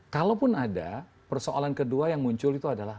kalaupun ada persoalan kedua yang muncul itu adalah